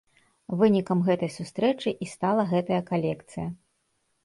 Вынікам гэтай сустрэчы і стала гэтая калекцыя.